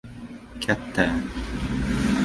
— Katta...